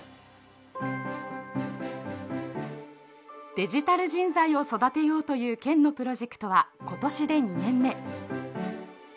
デジタル人材を育てようという県のプロジェクトは今年で２年目。